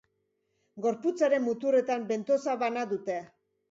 Gorputzaren muturretan bentosa bana dute.